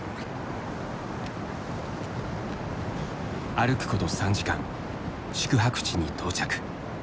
歩くこと３時間宿泊地に到着。